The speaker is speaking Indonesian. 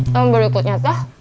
klu kamu berikutnya teh